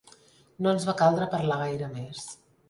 No ens va caldre parlar gaire més.